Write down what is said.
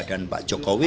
dan pak jokowi